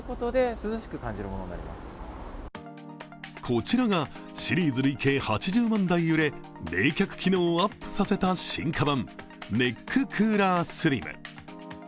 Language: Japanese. こちらがシリーズ累計８０万台売れ、冷却機能をアップさせた進化版、ネッククーラースリム。